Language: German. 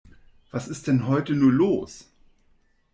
Was ist denn heute nur los?